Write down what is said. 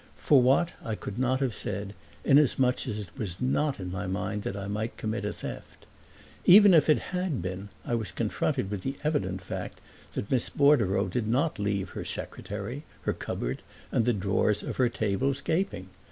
For what I could not have said, inasmuch as it was not in my mind that I might commit a theft. Even if it had been I was confronted with the evident fact that Miss Bordereau did not leave her secretary, her cupboard, and the drawers of her tables gaping.